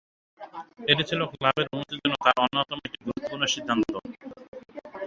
এটি ছিল ক্লাবের উন্নতির জন্য তার অন্যতম একটি গুরুত্বপূর্ণ সিদ্ধান্ত।